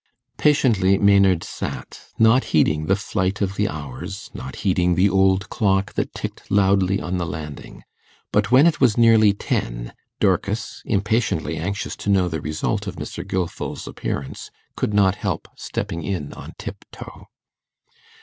Patiently Maynard sat, not heeding the flight of the hours, not heeding the old clock that ticked loudly on the landing. But when it was nearly ten, Dorcas, impatiently anxious to know the result of Mr. Gilfil's appearance, could not help stepping in on tip toe.